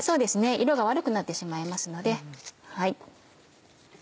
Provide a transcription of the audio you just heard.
色が悪くなってしまいますので。